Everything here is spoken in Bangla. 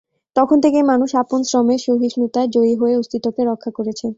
তখন থেকেই মানুষ আপন শ্রমে-সহিষ্ণুতায় জয়ী হয়ে অস্তিত্বকে রক্ষা করেছে।